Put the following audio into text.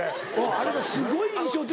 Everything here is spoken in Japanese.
あの歌すごい印象的。